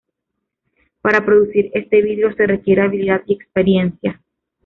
Para producir este vidrio se requiere habilidad y experiencia.